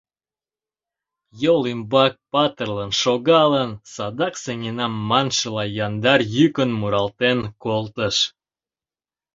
Йол ӱмбак патырлын шогалын, садак сеҥенам маншыла, яндар йӱкын муралтен колтыш.